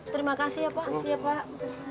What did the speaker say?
terima kasih ya pak